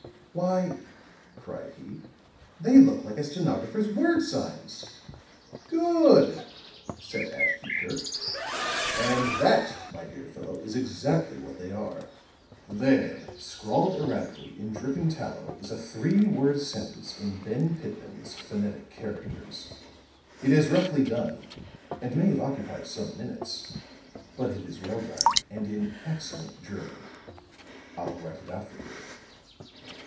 "Why," cried he, "they look like a stenographer's word signs." "Good!" said Ashton Kirk. "And that, my dear fellow, is exactly what they are. There, scrawled erratically in dripping tallow, is a three word sentence in Benn Pitman's phonetic characters. It is roughly done, and may have occupied some minutes; but it is well done, and in excellent German. I'll write it out for you."